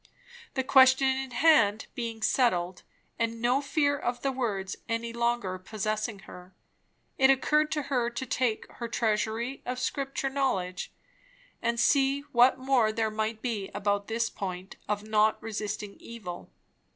The question in hand being settled, and no fear of the words any longer possessing her, it occurred to her to take her "Treasury of Scripture Knowledge" and see what more there might be about this point of not resisting evil.